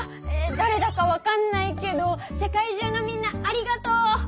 だれだか分かんないけど世界中のみんなありがとう！